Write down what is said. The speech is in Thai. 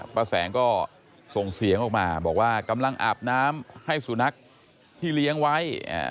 ป้าแสงก็ส่งเสียงออกมาบอกว่ากำลังอาบน้ำให้สุนัขที่เลี้ยงไว้